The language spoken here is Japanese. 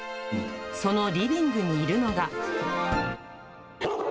そのリビングにいるのが。